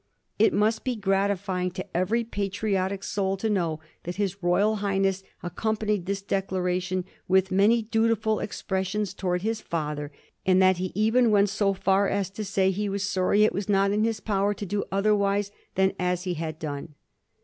It must be gratifying to every patriotic soul to know that his Royal Highness accompanied this declara tion with " many dutiful expressions " towards his father, and that he even went so far as to say he was sorry it was not in his power to do otherwise than as he had done.